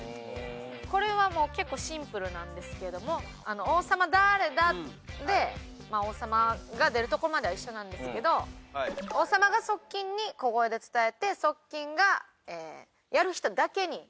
これはもう結構シンプルなんですけども「王様だーれだ？」で王様が出るとこまでは一緒なんですけど王様が側近に小声で伝えて側近がやる人だけに伝えます。